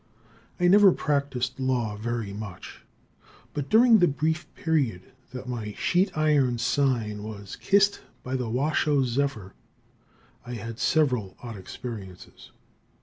I never practiced law very much, but during the brief period that my sheet iron sign was kissed by the Washoe zephyr, I had several odd experiences.